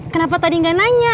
kenapa tadi gak nanya